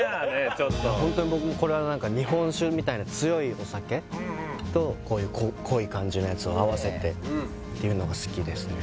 ちょっとホントに僕もこれは何か日本酒みたいな強いお酒とこういう濃い感じのやつを合わせてっていうのが好きですね